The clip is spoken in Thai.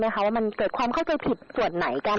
แต่ถ้าดูในทริปมันก็รู้ว่าทริปมันไม่หมด